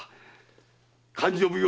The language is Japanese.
勘定奉行